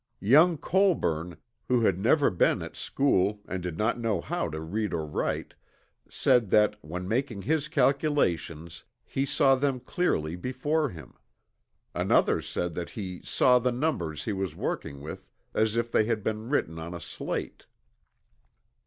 Young Colburn, who had never been at school and did not know how to read or write, said that, when making his calculations 'he saw them clearly before him.' Another said that he 'saw the numbers he was working with as if they had been written on a slate.'"